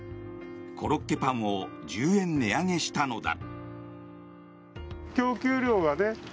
コロッケパンを１０円値上げしたのだ。